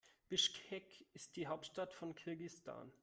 Bischkek ist die Hauptstadt von Kirgisistan.